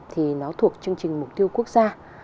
thì nó thuộc chương trình mục tiêu quốc gia